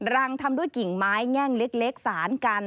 รังทำด้วยกิ่งไม้แง่งเล็กสารกัน